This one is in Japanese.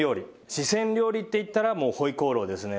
四川料理っていったらもう回鍋肉ですね。